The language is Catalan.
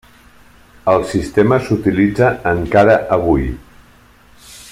El sistema s'utilitza encara avui.